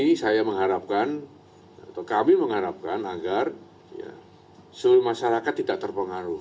ini saya mengharapkan atau kami mengharapkan agar seluruh masyarakat tidak terpengaruh